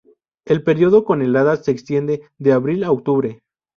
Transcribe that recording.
El período con heladas se extiende de abril a octubre.